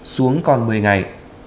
xuống còn một mươi ngày